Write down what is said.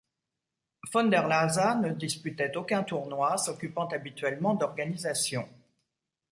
Von der Lasa ne disputait aucun tournoi, s'occupant habituellement d'organisation.